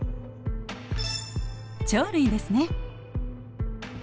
鳥類ですね。